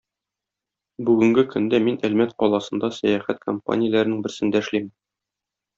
Бүгенге көндә мин Әлмәт каласындә сәяхәт компанияләренең берсендә эшлим.